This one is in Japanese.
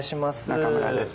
中村です